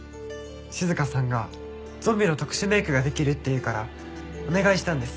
静さんがゾンビの特殊メイクができるっていうからお願いしたんです。